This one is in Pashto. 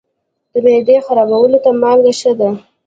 د معدې خرابوالي ته مالګه ښه ده.